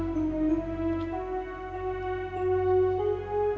diatur atur orang pin